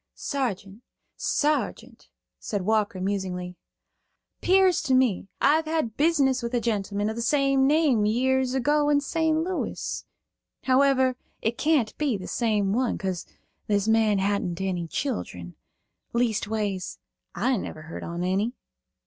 "Sargeant, Sargeant," said Walker, musingly. "'Pears to me I've had business with a gentleman of the same name years ago, in St. Louis. However, it can't be the same one, 'cause this man hadn't any children. Leastways, I never heard on eny."